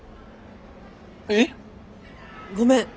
えっ。ごめん！